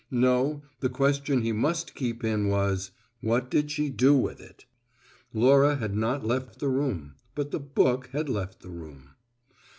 No; the question he must keep in was: What did she do with it? Laura had not left the room. But the book had left the room.